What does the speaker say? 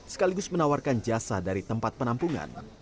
sekaligus menawarkan jasa dari tempat penampungan